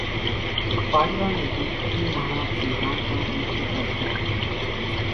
پاڙوا ني ۮِي اِي ماڻۿان ٿي رام رام نٿي ڪرتان